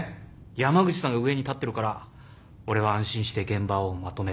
山口さんが上に立ってるから俺は安心して現場をまとめられる。